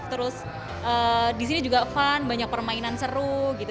terus disini juga fun banyak permainan seru gitu